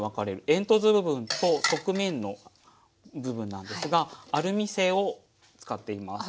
煙突部分と側面の部分なんですがアルミ製を使っています。